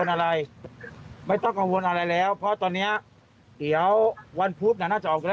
ในบาสกับแฟนสาวก็ให้กลับบ้านได้เหลือทุกคนค่ะ